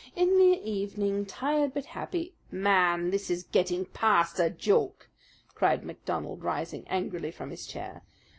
In the evening, tired but happy " "Man, this is getting past a joke!" cried MacDonald, rising angrily from his chair.